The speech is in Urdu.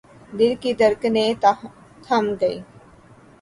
دل کی دھڑکنیں تھم گئیں۔